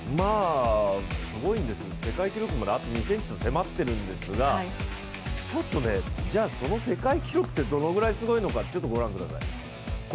すごいんですね、世界記録まで２ｃｍと迫っているんですがちょっと、じゃあその世界記録がどのぐらいすごいのかご覧ください。